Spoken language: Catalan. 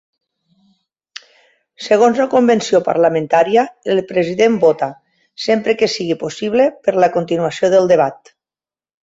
Segons la convenció parlamentària, el president vota, sempre que sigui possible, per la continuació del debat.